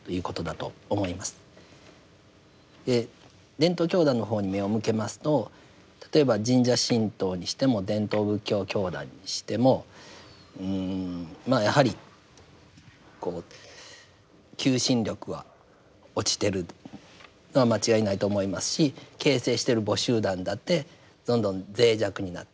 伝統教団の方に目を向けますと例えば神社神道にしても伝統仏教教団にしてもうんまあやはりこう求心力は落ちてるのは間違いないと思いますし形成している母集団だってどんどん脆弱になっている。